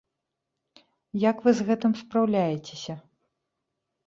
Як вы з гэтым спраўляецеся?